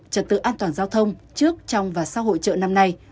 trật tự an toàn giao thông trước trong và sau hội trợ năm nay